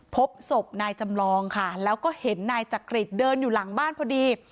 พบศพนายจำลองค่ะแล้วก็เห็นนายจักริตเดินอยู่หลังบ้านพอดี